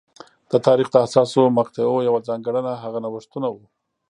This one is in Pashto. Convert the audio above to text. د تاریخ د حساسو مقطعو یوه ځانګړنه هغه نوښتونه وو